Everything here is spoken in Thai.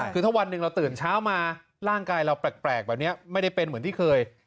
คือถ้าวันหนึ่งเราตื่นเช้ามาร่างกายเราแปลกแบบนี้ไม่ได้เป็นเหมือนที่เคย